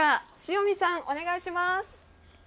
塩見さん、お願いします。